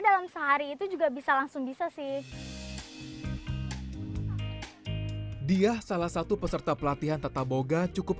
dalam sehari itu juga bisa langsung bisa sih dia salah satu peserta pelatihan tata boga cukup